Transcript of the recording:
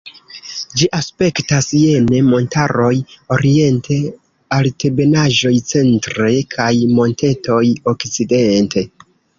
Ĝi aspektas jene: montaroj oriente, altebenaĵoj centre kaj montetoj okcidente.